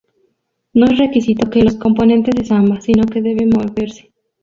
No es requisito que los componentes de samba, sino que debe moverse.